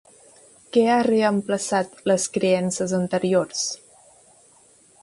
Què ha reemplaçat les creences anteriors?